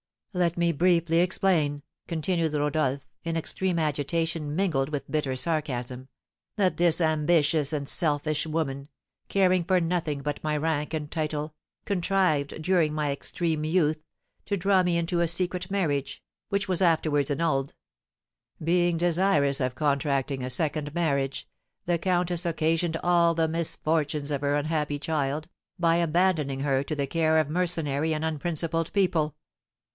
"Let me briefly explain," continued Rodolph, in extreme agitation, mingled with bitter sarcasm, "that this ambitious and selfish woman, caring for nothing but my rank and title, contrived, during my extreme youth, to draw me into a secret marriage, which was afterwards annulled. Being desirous of contracting a second marriage, the countess occasioned all the misfortunes of her unhappy child, by abandoning her to the care of mercenary and unprincipled people."